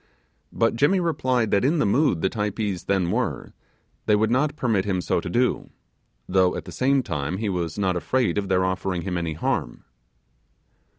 But Jimmy replied, that in the mood the Typees then were they would not permit him so to do, though at the same time he was not afraid of their offering him any harm.